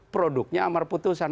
produknya amar putusan